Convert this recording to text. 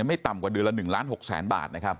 ไม่ต่ำกว่าเดือนละ๑ล้าน๖แสนบาทนะครับ